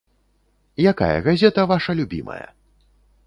Якая газета ваша любімая?